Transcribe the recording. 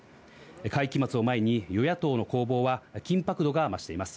会期末を前に与野党の攻防は緊迫度が増しています。